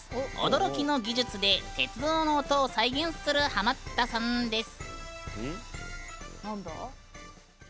驚きの技術で鉄道の音を再現するハマったさんです。